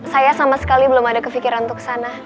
saya sama sekali belum ada kefikiran untuk kesana